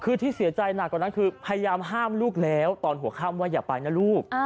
คือที่เสียใจหนักกว่านั้นคือพยายามห้ามลูกแล้วตอนหัวข้ามว่าอย่าไปนะลูก